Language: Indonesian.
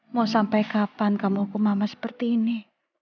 mau sampai kapan kamu hukum mama seperti ini